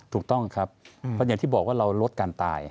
ถูกต้องครับเพราะอย่างที่บอกว่าเราลดการตาย